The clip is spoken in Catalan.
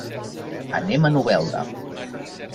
Anem a Novelda.